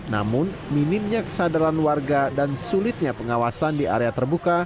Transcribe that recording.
namun minimnya kesadaran warga dan sulitnya pengawasan di area terbuka